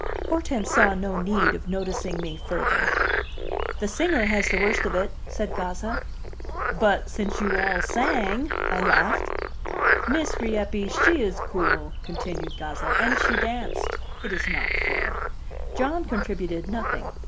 Hortense saw no need of noticing me further "The singer has the worst of it," said Gazza. "But since you all sang!" I laughed. "Miss Rieppe, she is cool," continued Gazza. "And she danced. It is not fair." John contributed nothing.